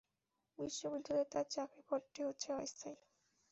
বিশ্ববিদ্যালয়ে তাঁর চাকরির পদটি হচ্ছে অস্থায়ী।